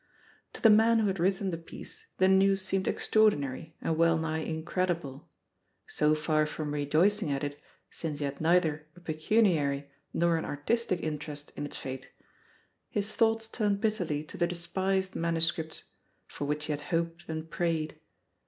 To the man who had written the piece the news seemed extraordinary and weU nigh incredible. So far from rejoicing at it^ since he had neitfaei; 144 THE POSITION OF PEGGY HARPER 146 a pecuniary nor an artistic interest in its fate, his thoughts turned bitterly to the despised man uscriptSy for which he had hoped and prayed.